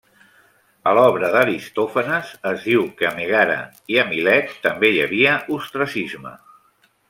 A l'obra d'Aristòfanes es diu que a Mègara i a Milet també hi havia ostracisme.